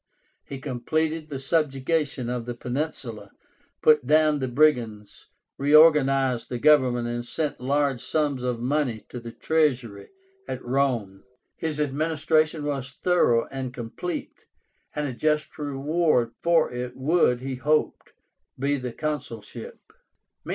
He completed the subjugation of the peninsula, put down the brigands, reorganized the government, and sent large sums of money to the treasury at Rome. His administration was thorough and complete, and a just reward for it would, he hoped, be the consulship.